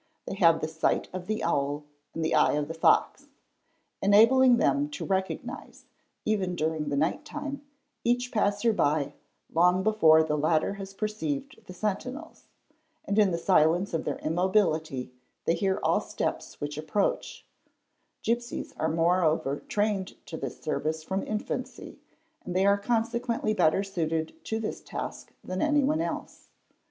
They have the sight of the owl and the eye of the fox, enabling them to recognise, even during the night time, each passer by long before the latter has perceived the sentinels, and in the silence of their immobility they hear all steps whick approach ; gipsies are moreover trained to this service from infancy a nd they are consequently better suited to this task than anyone else.